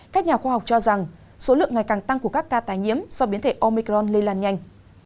các nhà khoa học cho rằng số lượng ngày càng tăng của các ca tài nhiễm do biến thể omicron lây lan nhanh